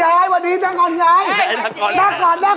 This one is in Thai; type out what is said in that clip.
ใส่แล้วยายไม่ต้องขอเสร็จหาถ้าน่าวใส่เลย